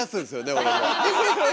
俺も。